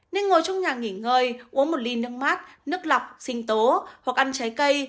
nên ngồi trong nhà nghỉ ngơi uống một ly nước mát nước lọc sinh tố hoặc ăn trái cây